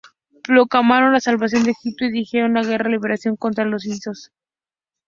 Proclamaron la "salvación de Egipto" y dirigieron una "guerra de liberación" contra los hicsos.